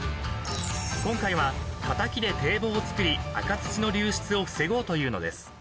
［今回はたたきで堤防を作り赤土の流出を防ごうというのです］